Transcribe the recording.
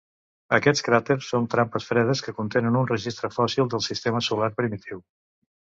Aquests cràters són trampes fredes que contenen un registre fòssil del sistema solar primitiu.